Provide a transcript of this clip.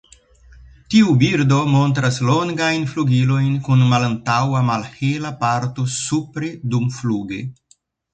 Tiu birdo montras longajn flugilojn kun malantaŭa malhela parto supre dumfluge.